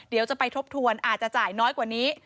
เดี๋ยวจะไปทบทวนอาจจะจ่ายน้อยกว่านี้